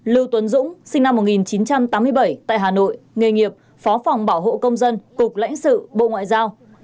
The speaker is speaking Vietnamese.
lưu tuấn dũng sinh năm một nghìn chín trăm tám mươi bảy tại hà nội nghề nghiệp phó phòng bảo hộ công dân cục lãnh sự bộ ngoại giao